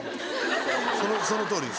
そのとおりです。